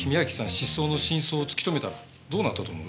失踪の真相を突き止めたらどうなったと思う？